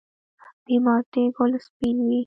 د مالټې ګل سپین وي؟